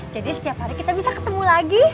jadi setiap hari kita bisa ketemu lagi